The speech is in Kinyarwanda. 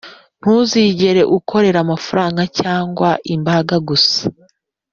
ntuzigere ukorera amafaranga cyangwa imbaraga gusa.